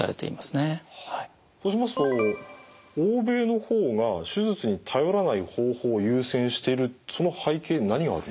そうしますと欧米の方が手術に頼らない方法を優先してるその背景に何があるんですか？